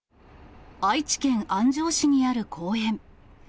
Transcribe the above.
愛知県安城市にある公園。